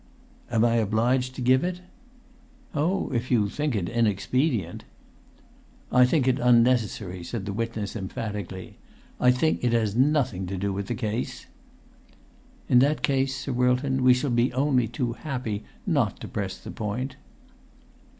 "Am I obliged to give it?" "Oh, if you think it inexpedient——" "I think it unnecessary," said the witness, emphatically. "I think it has nothing whatever to do with the case." "In that case, Sir Wilton, we shall be only too happy not to press the point."